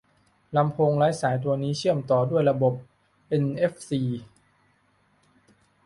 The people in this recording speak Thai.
ลำโพงไร้สายตัวนี้เชื่อมต่อด้วยระบบเอ็นเอฟซี